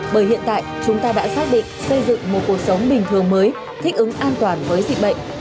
bởi hiện tại chúng ta đã xác định xây dựng một cuộc sống bình thường mới thích ứng an toàn với dịch bệnh